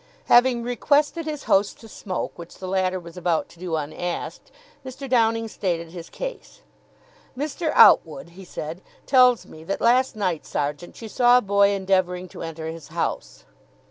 Having requested his host to smoke, which the latter was about to do unasked, Mr. Downing stated his case. "Mr. Outwood," he said, "tells me that last night, sergeant, you saw a boy endeavouring to enter his house."